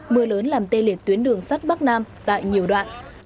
mưa lớn làm tê liệt tuyến đường sắt bắc nam tại nhiều đoạn